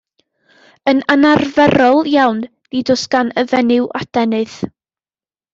Yn anarferol iawn, nid oes gan y fenyw adenydd.